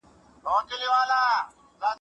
داستاني څېړني به په راتلونکي کي نورې هم پراخي سي.